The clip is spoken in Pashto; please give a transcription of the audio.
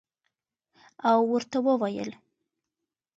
او ورته ووېل